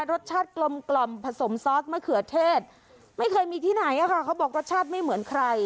รสชาติกลมกล่อมผสมซอสมะเขือเทศไม่เคยมีที่ไหนอะค่ะเขาบอกรสชาติไม่เหมือนใคร